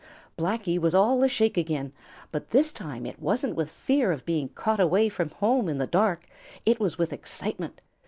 Blacky was all ashake again, but this time it wasn't with fear of being caught away from home in the dark; it was with excitement.